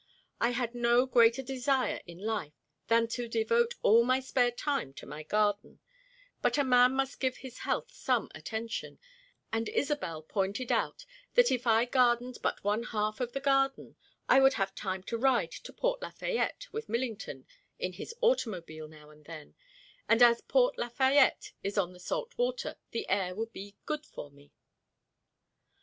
I had no greater desire in life than to devote all my spare time to my garden, but a man must give his health some attention, and Isobel pointed out that if I gardened but one half of the garden I would have time to ride to Port Lafayette with Millington in his automobile now and then, and as Port Lafayette is on the salt water the air would be good for me.